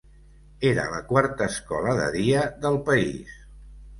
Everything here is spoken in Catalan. Era la quarta escola de dia del país.